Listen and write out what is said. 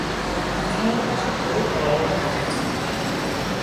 მათემატიკაში ბევრი დავალება მოქვცა